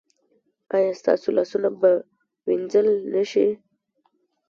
ایا ستاسو لاسونه به وینځل نه شي؟